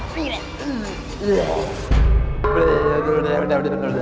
นี่แหละ